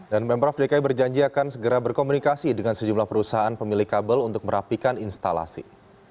dan member fdki berjanji akan segera berkomunikasi dengan sejumlah perusahaan pemilih kabel untuk merapikan instalasi